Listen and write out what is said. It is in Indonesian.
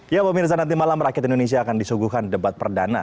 ya pemirsa nanti malam rakyat indonesia akan disuguhkan debat perdana